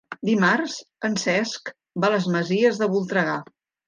Dimarts en Cesc va a les Masies de Voltregà.